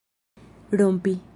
rompi